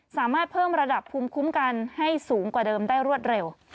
สามารถเพิ่มระดับภูมิคุ้มกันให้สูงกว่าเดิมได้รวดเร็ว